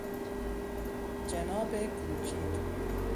جناب کوپید